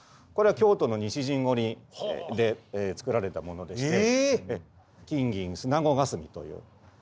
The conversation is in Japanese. これは京都の西陣織で作られたものでして「金銀砂子霞」という。